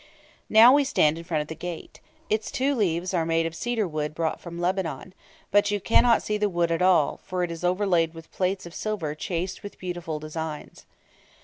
Now we stand in front of the gate. Its two leaves are made of cedar wood brought from Lebanon; but you cannot see the wood at all, for it is overlaid with plates of silver chased with beautiful designs.